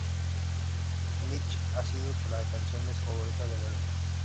Smith ha dicho que la canción es su favorita del álbum.